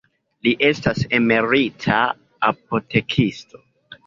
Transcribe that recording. Li estas emerita apotekisto.